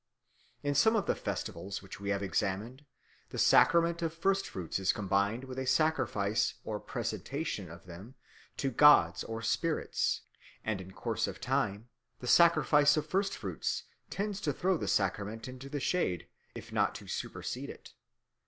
In some of the festivals which we have examined, the sacrament of first fruits is combined with a sacrifice or presentation of them to gods or spirits, and in course of time the sacrifice of first fruits tends to throw the sacrament into the shade, if not to supersede it.